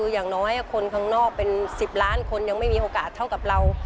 อย่างน้อยคนข้างนอกเป็น๑๐ล้านคนยังไม่มีโอกาสเท่ากับเรา